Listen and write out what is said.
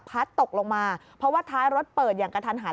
ตกลงมาเพราะว่าท้ายรถเปิดอย่างกระทันหัน